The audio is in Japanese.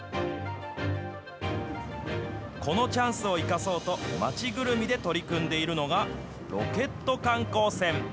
このチャンスを生かそうと、町ぐるみで取り組んでいるのが、ロケット観光船。